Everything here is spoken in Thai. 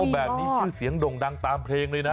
แบบนี้ชื่อเสียงด่งดังตามเพลงเลยนะ